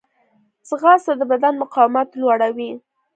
ځغاسته د بدن مقاومت لوړوي